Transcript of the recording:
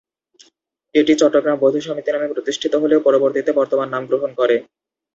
এটি ‘চট্টগ্রাম বৌদ্ধ সমিতি’ নামে প্রতিষ্ঠিত হলেও পরবর্তীতে বর্তমান নাম গ্রহণ করে।